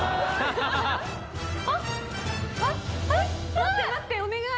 待って待ってお願い！